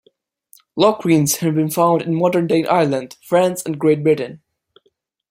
Lock rings have been found in modern-day Ireland, France, and Great Britain.